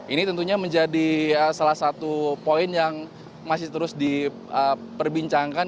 ini tentunya menjadi salah satu poin yang masih terus diperbincangkan